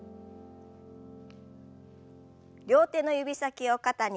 両手の指先を肩に。